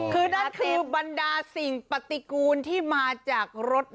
คือนั่นคือบรรดาสิ่งปฏิกูลที่มาจากรถ